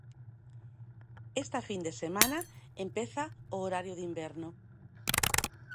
Esta fin de semana empeza o horario de inverno.